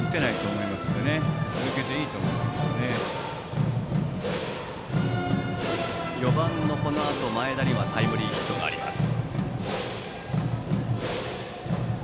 このあとの４番の前田にはタイムリーヒットがあります。